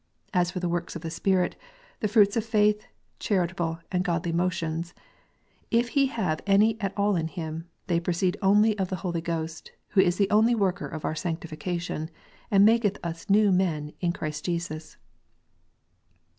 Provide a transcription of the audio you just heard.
As for the works of the Spirit, the fruits of faith, charitable and godly motions, if he have any at all in him, they proceed only of the Holy Ghost, who is the only worker of our sanctification, and maketh us new men in Christ Jesus.